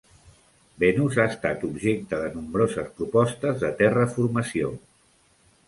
Venus ha estat objecte de nombroses propostes de terraformació.